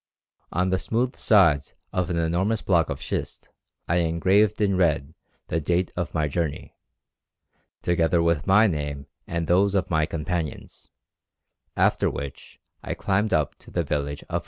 On the smooth sides of an enormous block of schist I engraved in red the date of my journey, together with my name and those of my companions, after which I climbed up to the village of Ressi."